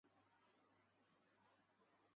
曾祖父杜彦父。